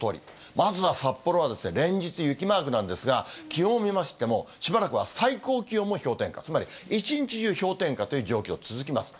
まずは札幌はですね、連日雪マークなんですが、気温見ましても、しばらくは最高気温も氷点下、つまり一日中氷点下という状況、続きます。